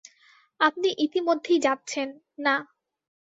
আপনি ইতিমধ্যেই যাচ্ছেন-- -না।